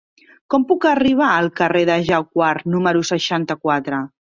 Com puc arribar al carrer de Jacquard número seixanta-quatre?